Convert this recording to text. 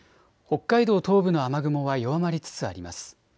北海道東部の雨雲は弱まりつつあります。